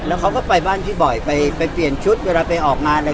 แล้วเขาก็ไปบ้านพี่บ่อยไปเปลี่ยนชุดเวลาไปออกงานอะไร